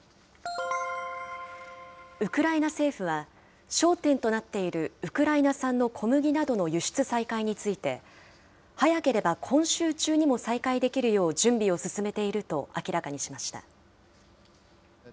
ウクライナ政府は、焦点となっているウクライナ産の小麦などの輸出再開について、早ければ今週中にも再開できるよう準備を進めていると明らかにしました。